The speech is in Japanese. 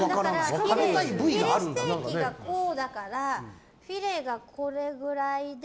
ヒレステーキがこうだからヒレがこれくらいで。